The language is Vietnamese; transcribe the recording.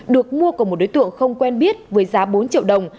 được mua của một đối tượng không quen biết với giá bốn triệu đồng